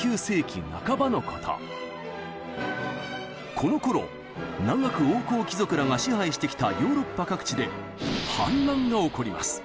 このころ長く王侯貴族らが支配してきたヨーロッパ各地で反乱が起こります。